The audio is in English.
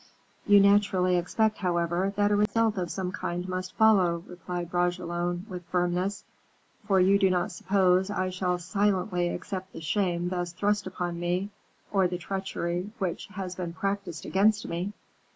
"You naturally expect, however, that a result of some kind must follow," replied Bragelonne, with firmness; "for you do not suppose I shall silently accept the shame thus thrust upon me, or the treachery which has been practiced against me?"